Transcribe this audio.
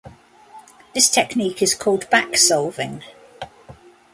This technique is called backsolving.